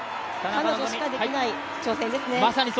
彼女しかできない挑戦ですね。